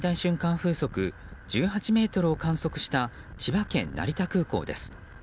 風速１８メートルを観測した千葉県成田空港です。